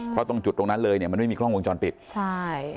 เพราะตรงจุดตรงนั้นเลยเนี่ยมันไม่มีกล้องวงจรปิดใช่